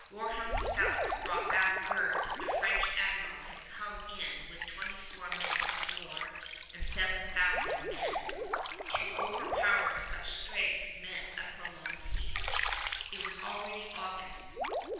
Gorham's scouts brought back word that the French admiral had come in with twenty four men of war and seven thousand men. To overpower such strength meant a prolonged siege. It was already August.